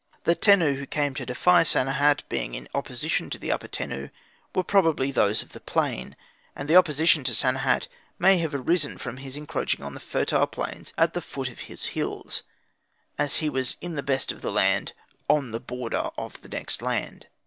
The Tenu who came to defy Sanehat, being in opposition to the upper Tenu, were probably those of the plain; and the opposition to Sanehat may have arisen from his encroaching on the fertile plain at the foot of his hills, as he was in the best of the land "on the border of the next land."